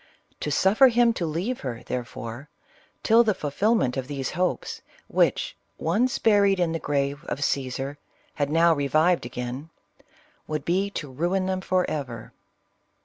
To suffer him to leave her, therefore, till the fulfilment of those hopes, which, once buried in the grave of Cassar, had now revived again, would be to ruin them forever.